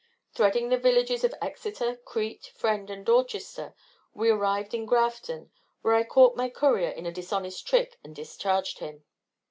Threading the villages of Exeter, Crete, Friend, and Dorchester, we arrived in Grafton, where I caught my courier in a dishonest trick, and discharged him.